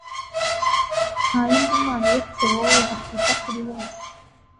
nta yindi mana uretse wowe, yakwita kuri bose